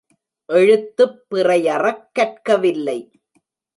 எழுத்துப் பிறையறக் கற்கவில்லை.